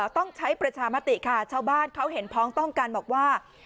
ต้องใช้ประชามติค่ะชาวบ้านเขาเห็นพ้องต้องกันบอกว่า